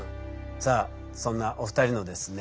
さあそんなお二人のですね